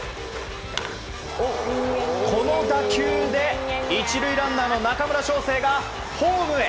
この打球で１塁ランナーの中村奨成がホームへ。